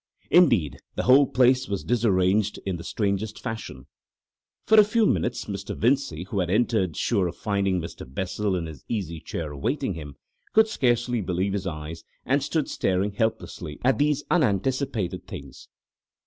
Indeed the whole place was disarranged in the strangest fashion. For a few minutes Mr. Vincey, who had entered sure of finding Mr. Bessel in his easy chair awaiting him, could scarcely believe his eyes, and stood staring helplessly at these unanticipated things.